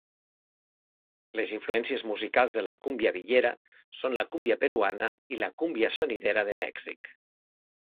Les influències musicals de la Cumbia villera són la Cumbia peruana i la Cumbia sonidera de Mèxic.